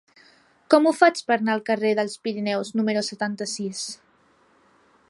Com ho faig per anar al carrer dels Pirineus número setanta-sis?